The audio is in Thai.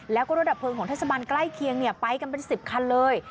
แล้วก็รถดับเพลิงของเทศบาลใกล้เคียงไปกันเป็น๑๐คันเลย